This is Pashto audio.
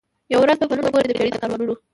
یوه ورځ به پلونه ګوري د پېړۍ د کاروانونو